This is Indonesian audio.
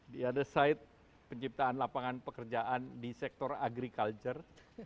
di sisi lain penciptaan lapangan pekerjaan di sektor agrikultur